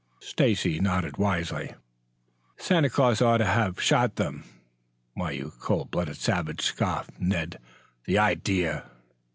Stacy nodded wisely. "Santa Claus ought to have shot them." "Why, you cold blooded savage!" scoffed Ned. "The idea!"